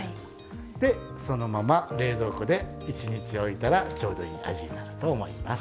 でそのまま冷蔵庫で１日おいたらちょうどいい味になると思います。